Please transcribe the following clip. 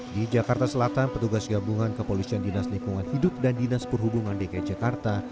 di jakarta selatan petugas gabungan kepolisian dinas lingkungan hidup dan dinas perhubungan dki jakarta